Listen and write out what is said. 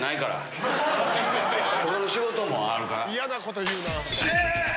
他の仕事もあるから。